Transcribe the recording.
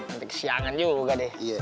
nanti kesiangan juga deh